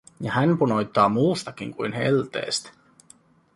Ja hän punoittaa muustakin kuin helteestä.